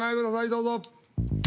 どうぞ。